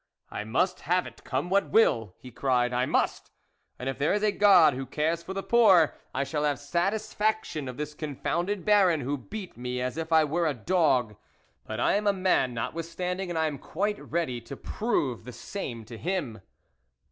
" I must have it, come what will," he cried, " I must ! and if there is a God who cares for the poor, I shall have satisfaction of this confounded Baron, who beat me as if I were a dog, but I am a man notwith standing, and I am quite ready to prove the same to him."